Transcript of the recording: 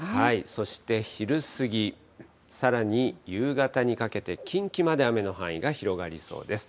そして昼過ぎ、さらに夕方にかけて、近畿まで雨の範囲が広がりそうです。